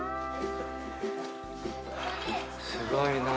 すごいなぁ。